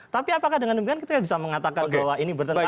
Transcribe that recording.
tapi apakah dengan demikian kita bisa mengatakan bahwa ini bertentangan